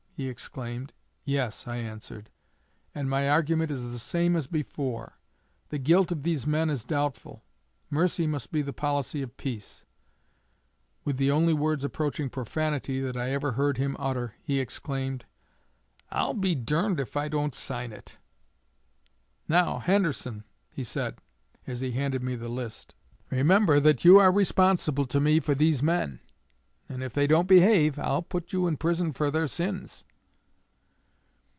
he exclaimed. 'Yes,' I answered, 'and my argument is the same as before. The guilt of these men is doubtful. Mercy must be the policy of peace.' With the only words approaching profanity that I ever heard him utter, he exclaimed, 'I'll be durned if I don't sign it! Now, Henderson,' he said, as he handed me the list, 'remember that you are responsible to me for these men, and if they don't behave '_I'll put you in prison for their sins.